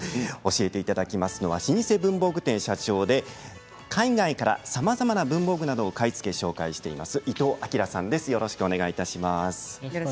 教えていただきますのは老舗文房具店社長で海外からさまざまな文房具などを買い付け紹介しています伊藤明さんです。